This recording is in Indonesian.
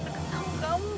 deket sama kamu